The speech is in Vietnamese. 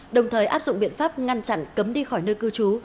đồng thời áp dụng biện pháp ngăn chặn cấm đi khỏi nơi cư trú